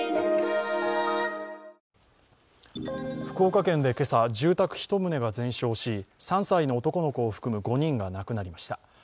福岡県で今朝、住宅１棟が全焼し３歳の男の子を含む５人が亡くなりました。